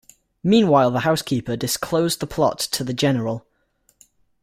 Meanwhile the housekeeper disclosed the plot to the general.